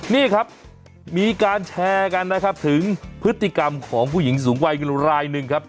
นี่ครับมีการแชร์กันนะครับถึงพฤติกรรมของผู้หญิงสูงวัยรายหนึ่งครับ